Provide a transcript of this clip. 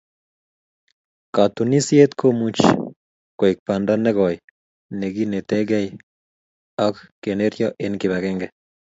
Katunisyet komuch koek banda ne koi nekinetigei ak keneryo eng kibagenge.